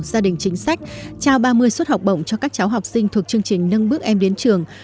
gia đình chính sách trao ba mươi suất học bổng cho các cháu học sinh thuộc chương trình nâng bước em đến trường